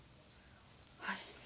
はい。